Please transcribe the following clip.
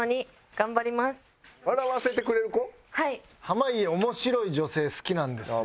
濱家面白い女性好きなんですよ。